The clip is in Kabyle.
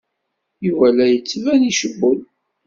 Yuba la d-yettban icewwel.